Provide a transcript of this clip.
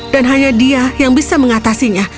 dan hanya dia yang bisa mengatasinya